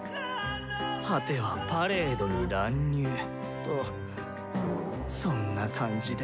果てはパレードに乱入とそんな感じで。